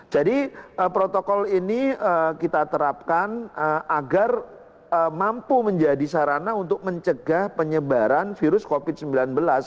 jadi protokol ini kita terapkan agar mampu menjadi sarana untuk mencegah penyebaran virus covid sembilan belas